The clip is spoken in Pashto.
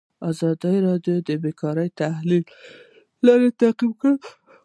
ازادي راډیو د بیکاري د تحول لړۍ تعقیب کړې.